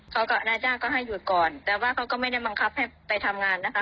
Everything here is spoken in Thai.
เขากับนายจ้างก็ให้หยุดก่อนแต่ว่าเขาก็ไม่ได้บังคับให้ไปทำงานนะคะ